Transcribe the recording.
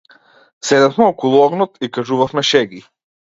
Седевме околу огнот и кажувавме шеги.